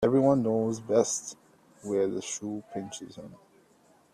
Every one knows best where the shoe pinches him